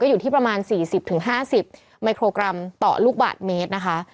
อยู่ที่ประมาณ๔๐๕๐มิโครกรัมต่อลูกบาทเมตรนะคะ